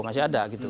masih ada gitu